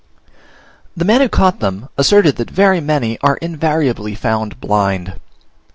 The man who caught them asserted that very many are invariably found blind.